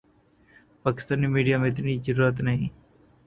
Pakistani media میں اتنی جرآت نہیں کہ